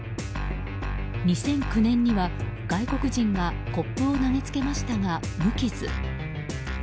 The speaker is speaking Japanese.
２００９年には外国人がコップを投げつけましたが、無傷。